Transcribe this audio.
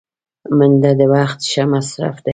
منډه د وخت ښه مصرف دی